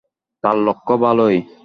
তাঁর লক্ষ ভালই।